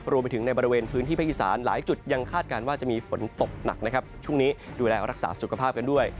รวมไปถึงในบริเวณพื้นที่ภาคอีสานหลายจุดยังคาดการณ์ว่าจะมีฝนตกหนักนะครับช่วงนี้ดูแลรักษาสุขภาพกันด้วย